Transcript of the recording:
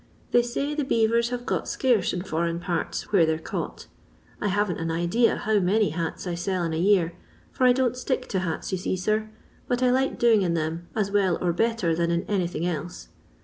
They say the beavers have got scarce in foreign parts where the}' 're caught. I haven't an idea how many hats I sell in a year, for I don't stick to liats, you see, sir, but I like doing in them as well or better than in anything else.